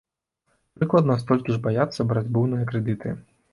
Прыкладна столькі ж баяцца браць буйныя крэдыты.